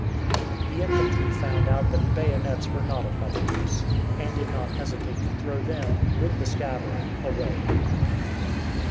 The infantry found out that bayonets were not of much use, and did not hesitate to throw them, with the scabbard, away.